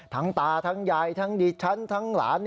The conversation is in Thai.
ตาทั้งยายทั้งดิฉันทั้งหลาน